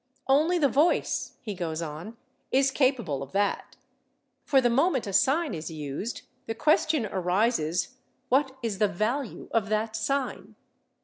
"Only the voice," he goes on, "is capable of that; for the moment a sign is used the question arises, What is the value of that sign?